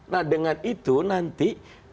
nah dengan itu nanti